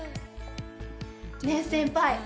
ねえ先輩。